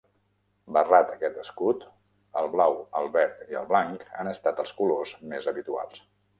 Barrat aquest escut, el blau, el verd i el blanc han estat els colors més habituals.